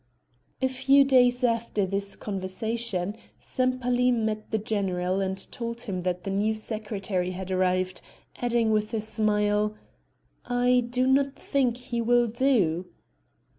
A few days after this conversation Sempaly met the general and told him that the new secretary had arrived, adding with a smile: "I do not think he will do!"